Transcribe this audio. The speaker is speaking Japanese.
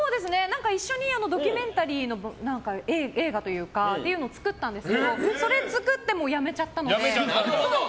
一緒にドキュメンタリーの映画というかを作ったんですけれどもそれを作ってやめちゃったので。